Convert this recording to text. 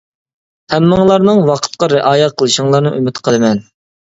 ھەممىڭلارنىڭ ۋاقىتقا رىئايە قىلىشىڭلارنى ئۈمىد قىلىمەن.